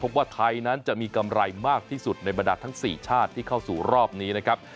พบว่าไทยนั้นจะมีกำไรมากที่สุดในบรรดาทั้ง๔ชาติที่เข้าสู่รอบนี้นะครับ